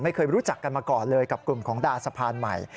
ไม่เคยรู้จักกันมาก่อนเลยกับกลุ่มของดาสะพานใหม่